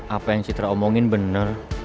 apa yang citra omongin benar